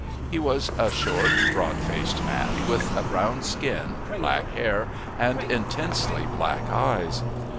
He was a short, broad faced man, with a brown skin, black hair, and intensely black eyes.